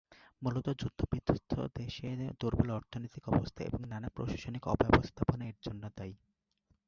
মূলত যুদ্ধবিধ্বস্ত দেশে দুর্বল অর্থনৈতিক অবস্থা ও নানা প্রশাসনিক অব্যবস্থাপনা এর জন্য দায়ী।